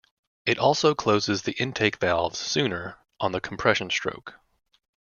It also closes the intake valves sooner on the compression stroke.